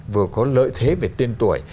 vừa có lợi thế về tiên tuổi